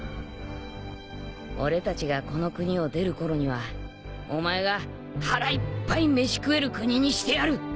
俺たちがこの国を出るころにはお前が腹いっぱい飯食える国にしてやる。